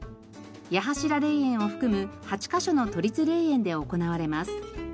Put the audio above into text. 八柱霊園を含む８カ所の都立霊園で行われます。